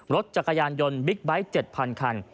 รถจักรยานยนต์บิ๊กไบท์๗๐๐คัน